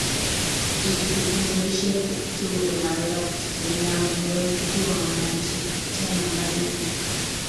i kukumbushe tu unaweza kututumia ujumbe mfupi wa maandishi kupitia nambari hii